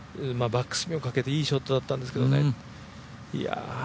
バックスピンをかけていいショットだったんですけどね。